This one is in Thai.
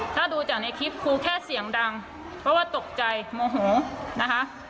ถ้าดูจากในคลิปครูแค่เสียงดังเพราะว่าตกใจโมโหนะคะ